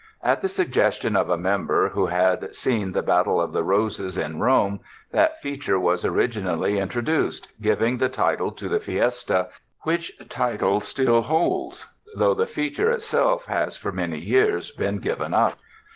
At the suggestion of a member who had seen the Battle of the Roses in Rome, tliat feature was originally introduced, giv ing the title to the fiesta, which title still holds, though the feature itself has, for many years, been given up.